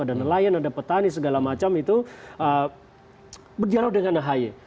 ada nelayan ada petani segala macam itu berdialog dengan ahy